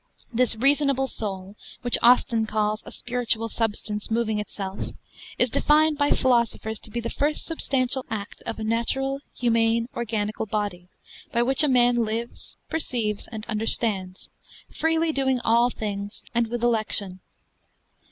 This reasonable soul, which Austin calls a spiritual substance moving itself, is defined by philosophers to be the first substantial act of a natural, humane, organical body, by which a man lives, perceives, and understands, freely doing all things, and with election.